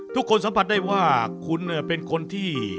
ทุกคนสัมผัสได้ว่าคุณเป็นคนที่